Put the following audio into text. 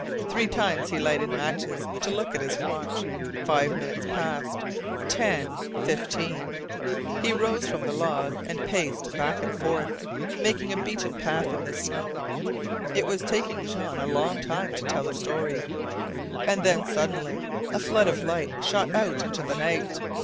Three times he lighted matches to look at his watch. Five minutes passed ten, fifteen. He rose from the log and paced back and forth, making a beaten path in the snow. It was taking Jean a long time to tell the story! And then, suddenly, a flood of light shot out into the night.